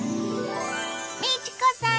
美智子さん